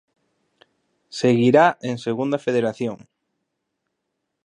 Seguirá en Segunda Federación.